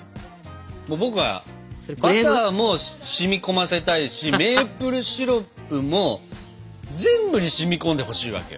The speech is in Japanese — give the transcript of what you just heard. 僕はバターも染み込ませたいしメープルシロップも全部に染み込んでほしいわけよ。